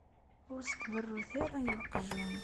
Ur as-d-berrut ara i weqjun.